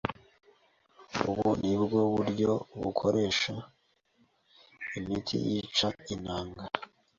Ubu ni uburyo bukoresha imiti yica intanga